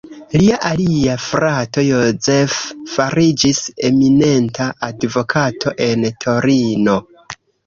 Lia alia frato Joseph fariĝis eminenta advokato en Torino.